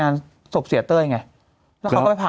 มาเป็นอะไรนะ